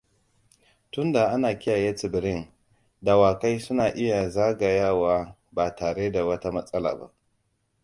Tunda ana kiyaye tsibirin, dawakai suna iya zagayawa ba tare da wata matsala ba.